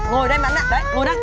ngồi đây mắn vạ